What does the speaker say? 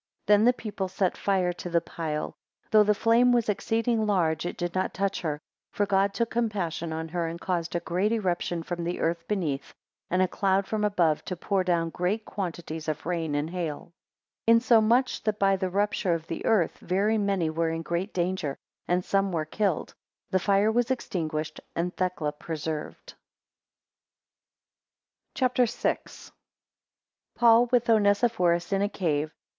15 Then the people set fire to the pile; though the flame was exceeding large, it did not touch her; for God took compassion on her, and caused a great eruption from the earth beneath, and a cloud from above to pour down great quantities of rain and hail; 16 Insomuch that by the rupture of the earth, very many were in great danger, and some were killed, the fire was extinguished, and Thecla preserved. CHAPTER VI. 1 Paul with Onesiphorus in a cave.